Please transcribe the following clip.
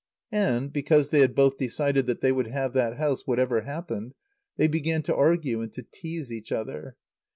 And, because they had both decided that they would have that house whatever happened, they began to argue and to tease each other.